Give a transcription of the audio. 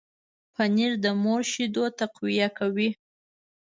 پنېر د مور شیدو تقویه کوي.